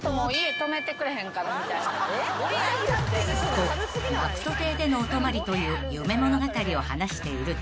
［とＧＡＣＫＴ邸でのお泊まりという夢物語を話していると］